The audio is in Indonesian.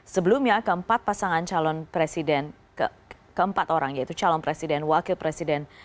sebelumnya keempat pasangan calon presiden keempat orang yaitu calon presiden wakil presiden